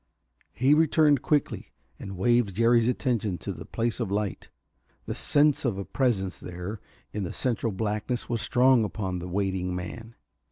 He returned quickly and waved Jerry's attention to the place of light. The sense of a presence there in the central blackness was strong upon the waiting man.